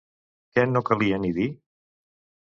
Què no calia ni dir?